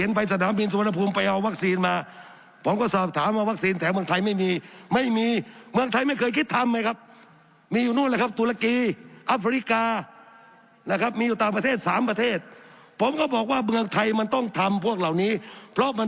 เห็นไปสถานบินสุวรรณภูมิไปเอาวัคซีนมาผมก็สอบถามว่าวัคซีน